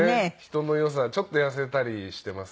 人の良さちょっと痩せたりしてますね。